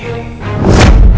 dan aku tidak sabar